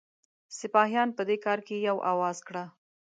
سپاهیان په دې کار کې یو آواز کړه.